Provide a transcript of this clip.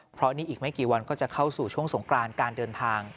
เพราะนี่อีกไม่กี่วันก็จะเข้าสู่ช่วงสงกรานการเดินทาง